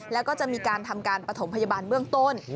แล้วก็จะมีการทำการปฐมพยาบาลเบื้องต้น